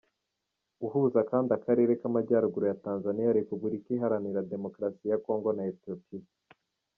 Uhuza kandi akarere k’amajyaruguru ya Tanzania, Repubulika Iharanira Demokarasi ya Congo na Ethiopia.